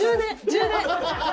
「充電」！